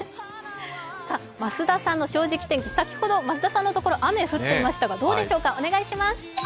増田さんの「正直天気」、先ほど増田さんのところは雨、降っていましたがどうでしょうか？